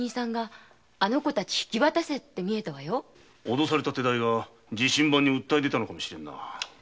脅された手代が自身番に訴え出たのかもしれんな。